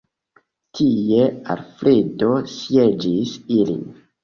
Tie Alfredo sieĝis ilin.